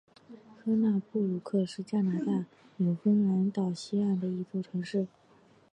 科纳布鲁克是加拿大纽芬兰岛西岸的一座城市。